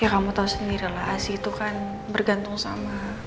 ya kamu tahu sendiri rela asi itu kan bergantung sama